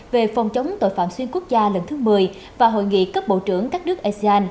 về phòng chống tội phạm xuyên quốc gia lần thứ một mươi và hội nghị cấp bộ trưởng các nước asean